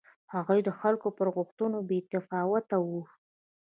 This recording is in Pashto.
هغوی د خلکو پر غوښتنو بې تفاوته و.